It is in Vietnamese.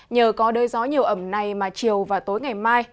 nhờ có đới gió nhiều ẩm này mà chiều và tối ngày mai